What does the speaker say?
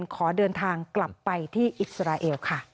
ขอเดินทางกลับไปที่อิสราเอลค่ะ